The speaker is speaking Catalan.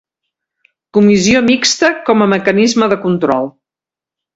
Comissió mixta com a mecanisme de control.